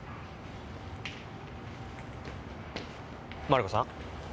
マリコさん？